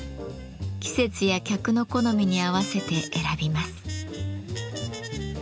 季節や客の好みに合わせて選びます。